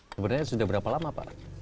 sebenarnya sudah berapa lama pak